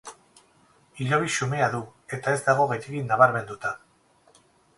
Hilobi xumea du eta ez dago gehiegi nabarmenduta.